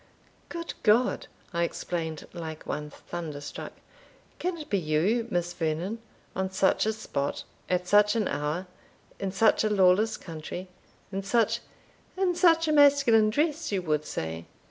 "Good God!" I exclaimed, like one thunderstruck, "can it be you, Miss Vernon, on such a spot at such an hour in such a lawless country in such" "In such a masculine dress, you would say.